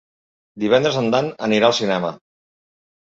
Divendres en Dan anirà al cinema.